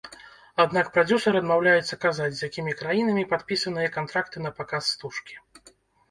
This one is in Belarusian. Аднак прадзюсар адмаўляецца казаць, з якімі краінамі падпісаныя кантракты на паказ стужкі.